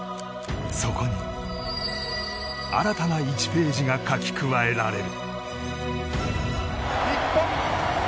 そこに、新たな１ページが書き加えられる。